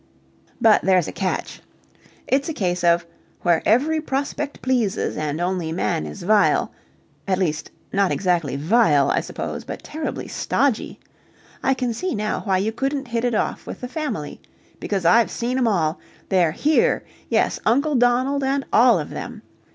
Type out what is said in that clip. But there's a catch. It's a case of "Where every prospect pleases and only man is vile." At least, not exactly vile, I suppose, but terribly stodgy. I can see now why you couldn't hit it off with the Family. Because I've seen 'em all! They're here! Yes, Uncle Donald and all of them.